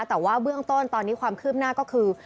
แต่ว่าเบื้องต้นตอนนี้ความคืบหน้าก็คือ